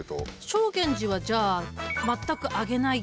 正源司はじゃあ全く上げない。